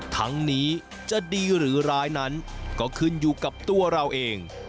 ทั้งนี้จะดีหรือร้ายนั้นก็ขึ้นอยู่กับตัวเราเอง